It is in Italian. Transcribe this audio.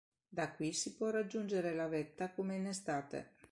Da qui si può raggiungere la vetta come in estate.